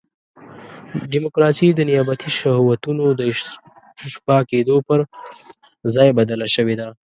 ډیموکراسي د نیابتي شهوتونو د اشباع کېدو پر ځای بدله شوې ده.